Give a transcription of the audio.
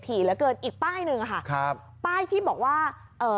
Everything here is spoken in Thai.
ถี่เหลือเกินอีกป้ายหนึ่งอ่ะค่ะครับป้ายที่บอกว่าเอ่อ